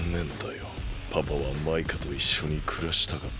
パパはマイカといっしょにくらしたかった。